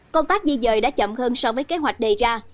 công tác di dời đã chậm hơn so với kế hoạch đề ra